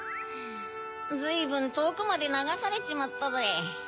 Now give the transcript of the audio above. ずいぶんとおくまでながされちまったぜ。